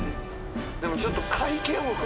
でもちょっと。